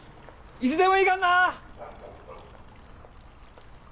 いつでもいいからな！